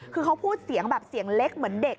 คือเขาพูดเสียงแบบเสียงเล็กเหมือนเด็ก